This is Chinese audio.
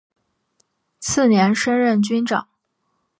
次年升任军长。